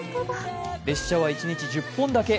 列車は一日１０本だけ。